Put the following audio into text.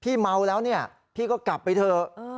พี่เผาแล้วนี่พี่ก็กลับไปเถอะ